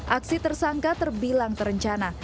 aksi tersangka terbilang terencana